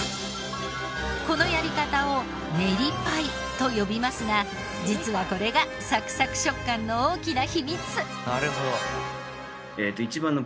このやり方を練りパイと呼びますが実はこれがサクサク食感の大きな秘密。